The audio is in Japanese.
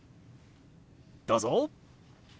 どうぞ！